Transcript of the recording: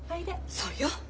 そうよ。